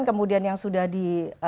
kemudian yang sudah di